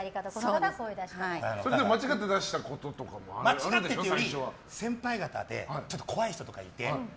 間違ってというより、先輩方でちょっと怖い人がいて。